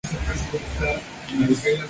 Love and Power.